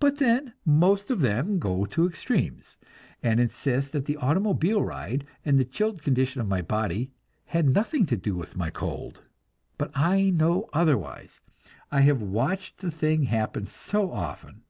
But then most of them go to extremes, and insist that the automobile ride and the chilled condition of my body had nothing to do with my cold. But I know otherwise I have watched the thing happen so often.